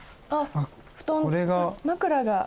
布団と枕が。